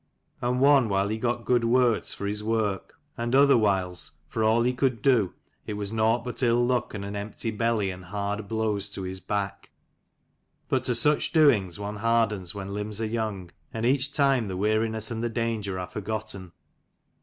And one while he got good words for his work ; and other whiles, for all he could do, it was nought but ill luck, and an empty belly, and hard blows to his back. But to such doings one hardens when limbs are young, and each time the weariness and the danger are forgotten.